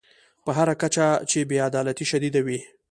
په هر کچه چې بې عدالتي شدیده وي.